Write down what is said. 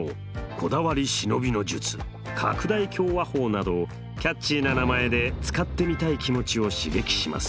「こだわり忍びの術」「拡大鏡話法」などキャッチーな名前で使ってみたい気持ちを刺激します。